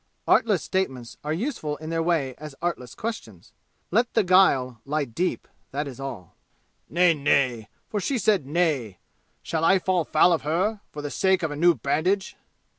Artless statements are as useful in their way as artless questions. Let the guile lie deep, that is all. "Nay, nay! For she said nay! Shall I fall foul of her, for the sake of a new bandage?"